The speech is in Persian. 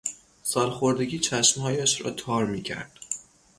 سالخوردگی چشمهایش را تار میکرد.